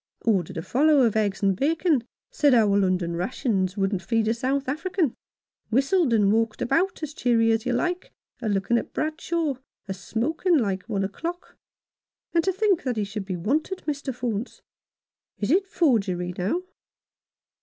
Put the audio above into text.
" Ordered a follow of eggs and bacon — said our London rations wouldn't feed a South African, whistled and walked about as cheery as you like, a lookin' at Bradshaw, a smokin' like one o'clock. And to think that he should be wanted, Mr. Faunce ! Is it forgery, now